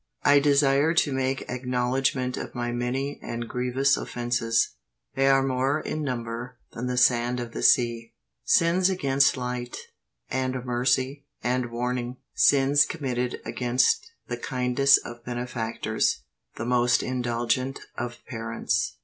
I desire to make acknowledgment of my many and grievous offences. They are more in number than the sand of the sea; sins against light, and mercy, and warning; sins committed against the kindest of Benefactors, the most indulgent of Parents.